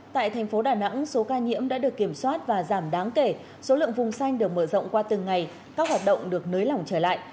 tại thành phố đà nẵng số ca nhiễm đã được kiểm soát và giảm đáng kể số lượng vùng xanh được mở rộng qua từng ngày các hoạt động được nới lỏng trở lại